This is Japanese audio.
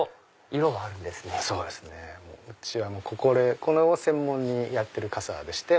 うちはこれを専門にやってる傘でして。